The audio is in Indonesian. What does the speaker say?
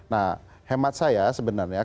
nah hemat saya sebenarnya